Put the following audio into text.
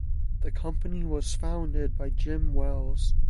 The company was founded by Jim Wells.